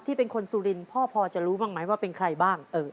เป็นคนสุรินทร์พ่อพอจะรู้บ้างไหมว่าเป็นใครบ้าง